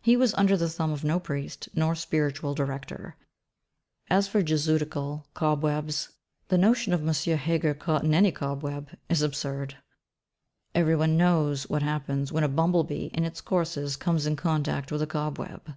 He was under the thumb of no priest, nor spiritual director. As for Jesuitical 'cobwebs,' the notion of M. Heger caught in any cobweb is absurd! Every one knows what happens when a bumble bee in its courses comes in contact with a cobweb.